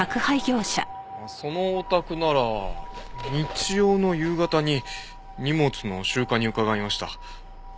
そのお宅なら日曜の夕方に荷物の集荷に伺いました。